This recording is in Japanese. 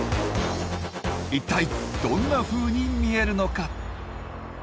一体どんなふうに見えるのか？